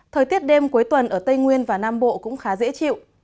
thời tiết đêm cuối tuần ở tây nguyên và nam bộ cũng khá dễ chịu